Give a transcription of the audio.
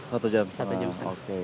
satu jam setengah oke